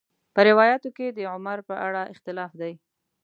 په روایاتو کې د عمر په اړه اختلاف دی.